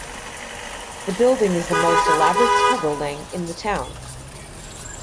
The building is the most elaborate school building in the town.